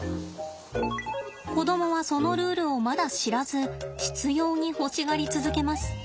子供はそのルールをまだ知らず執ように欲しがり続けます。